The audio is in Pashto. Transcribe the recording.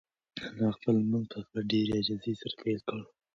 انا خپل لمونځ په ډېرې عاجزۍ سره پیل کړ.